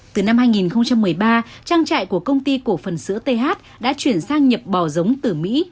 từ năm hai nghìn một mươi ba trang trại của công ty cổ phần sữa th đã chuyển sang nhập bò giống từ mỹ